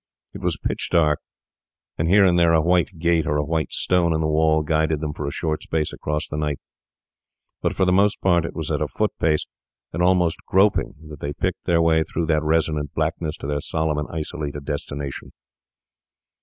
It was pitch dark; here and there a white gate or a white stone in the wall guided them for a short space across the night; but for the most part it was at a foot pace, and almost groping, that they picked their way through that resonant blackness to their solemn and isolated destination.